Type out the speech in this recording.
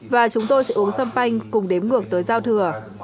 và chúng tôi sẽ uống champagne cùng đếm ngược tới giao thừa